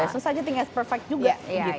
susah aja tinggal perfect juga